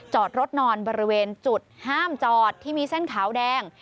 จอดรถนอนบริเวณจุดห้ามจอดที่มีเส้นขาวแดง